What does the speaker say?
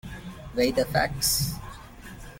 Weigh the facts.